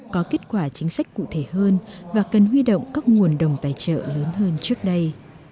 có kết quả chính sách cụ thể hơn và cần huy động các nguồn đồng tài trợ lớn hơn trước đây